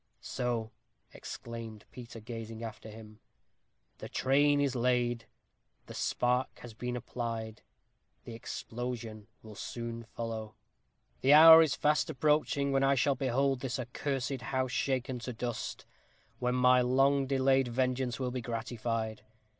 "So," exclaimed Peter, gazing after him, "the train is laid; the spark has been applied; the explosion will soon follow. The hour is fast approaching when I shall behold this accursed house shaken to dust, and when my long delayed vengeance will be gratified.